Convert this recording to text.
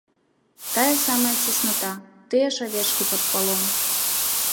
Тая самая цесната, тыя ж авечкі пад палом.